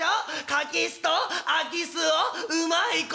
柿酢と空き巣をうまいこと」。